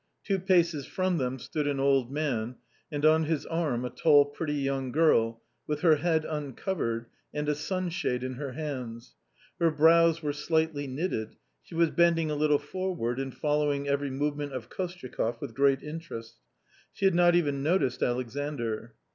Two paces from them stood an old man, and on his arm a tall pretty young girl, with her head uncovered and a sunshade in her hands. Her brows were slightly knitted. She was bending a little forward and following every movement of Kostyakoff with great interest. She had not even noticed Alexandr.